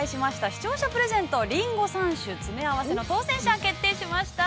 視聴者プレゼント「りんご３種詰め合わせ」の当選者が決定いたしました！